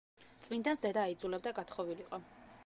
წმინდანს დედა აიძულებდა გათხოვილიყო.